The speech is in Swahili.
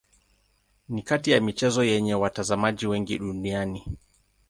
Ni kati ya michezo yenye watazamaji wengi duniani.